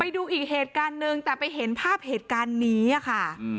ดูอีกเหตุการณ์หนึ่งแต่ไปเห็นภาพเหตุการณ์นี้ค่ะ